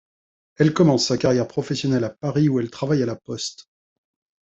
Elle commence sa carrière professionnelle à Paris où elle travaille à la Poste.